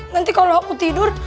nanti kalau aku tidur